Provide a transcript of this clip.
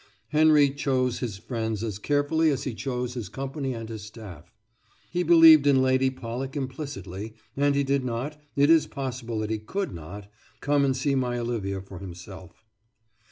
Henry chose his friends as carefully as he chose his company and his staff. He believed in Lady Pollock implicitly, and he did not it is possible that he could not come and see my Olivia for himself.